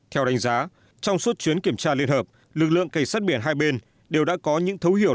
theo đánh giá trong suốt chuyến kiểm tra liên hợp lực lượng cảnh sát biển hai bên đều đã có những thấu hiểu